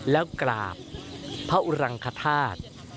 แล้วกราบพระอุรังคธาตุ